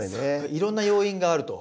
いろんな要因があると。